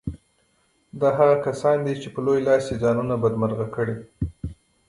دا هغه کسان دي چې په لوی لاس یې ځانونه بدمرغه کړي